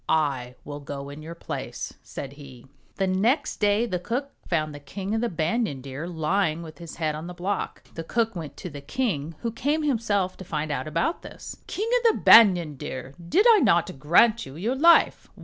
I will go in your place," said he. The next day the cook found the King of the Ban yan Deer lying with his head on the block. The cook went to the king, who came himself to find out about this. "King of the Banyan Deer! did I not grant you your life